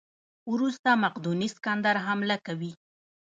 وروسته مقدوني سکندر حمله کوي.